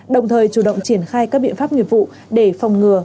đồng thời chủ động triển khai các biện pháp nghiệp vụ để phòng ngừa